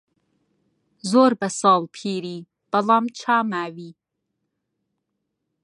زۆر بە ساڵ پیری بەڵام چا ماوی